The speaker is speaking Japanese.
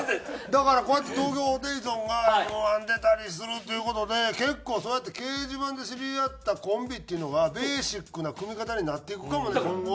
だからこうやって東京ホテイソンがＭ−１出たりするっていう事で結構そうやって掲示板で知り合ったコンビっていうのがベーシックな組み方になっていくかもね今後。